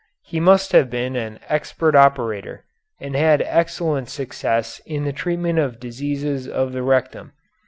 He must have been an expert operator, and had excellent success in the treatment of diseases of the rectum.